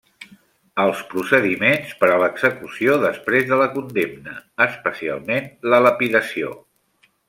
Els procediments per a l'execució després de la condemna, especialment la lapidació.